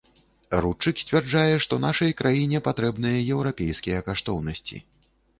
Рудчык сцвярджае, што нашай краіне патрэбныя еўрапейскія каштоўнасці.